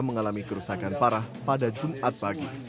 mengalami kerusakan parah pada jumat pagi